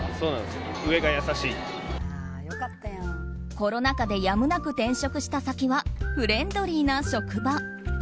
コロナ禍でやむなく転職した先はフレンドリーな職場。